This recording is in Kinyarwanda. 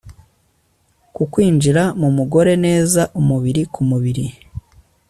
ku kwinjira mu mugore neza umubiri ku mubiri